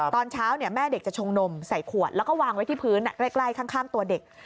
ตอนเช้าแม่เด็กจะชงนมใส่ขวดแล้วก็วางไว้ที่พื้นใกล้ข้างตัวเด็ก